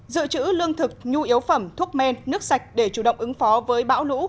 dự trữ lương thực nhu yếu phẩm thuốc men nước sạch để chủ động ứng phó với bão lũ